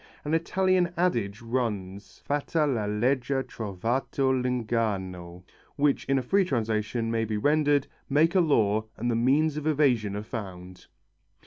An Italian adage runs: Fatta la legge trovato l'inganno, which in a free translation may be rendered: Make a law and the means of evasion are found.